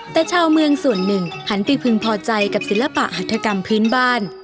แต่ชาวเมืองส่วนหนึ่งหันไปพึงพอใจกับศิลปะหัฐกรรมพื้นบ้าน